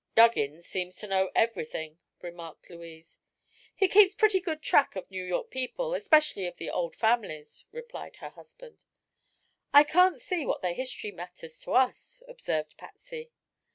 "Duggins seems to know everything," remarked Louise. "He keeps pretty good track of New York people, especially of the old families," replied her husband. "I can't see what their history matters to us," observed Patsy.